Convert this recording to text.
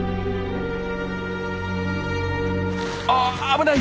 あっ危ない！